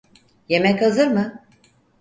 Yemek hazır mı?